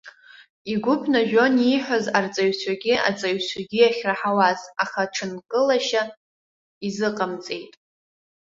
Игәы ԥнажәон ииҳәоз арҵаҩцәагьы аҵаҩцәагьы иахьраҳауаз, аха ҽынкылашьа изыҟамҵеит.